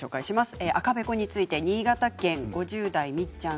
赤べこについて新潟県５０代の方から。